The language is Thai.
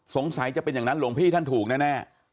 จะเป็นอย่างนั้นหลวงพี่ท่านถูกแน่